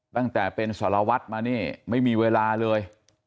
ตั้งแต่เป็นสารวัตรมานี่ไม่มีเวลาเลย